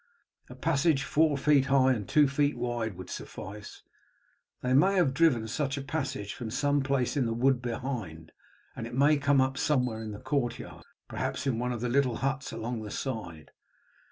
A passage four feet high and two feet wide would suffice. They may have driven such a passage from some place in the wood behind and it may come up somewhere in the courtyard, perhaps in one of the little huts along the side.